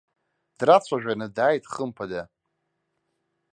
Драцәажәаны дааит, хымԥада.